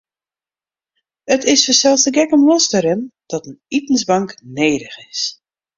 It is fansels te gek om los te rinnen dat in itensbank nedich is.